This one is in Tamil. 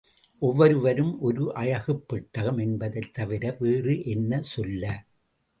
ஒவ்வொருவரும் ஒரு அழகுப் பெட்டகம் என்பதைத் தவிர வேறு என்ன சொல்ல?